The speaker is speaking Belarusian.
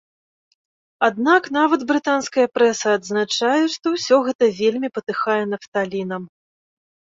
Аднак нават брытанская прэса адзначае, што ўсё гэта вельмі патыхае нафталінам.